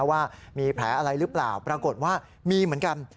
ว่ามีแผลอะไรหรือเปล่าปรากฏว่ามีเหมือนกัน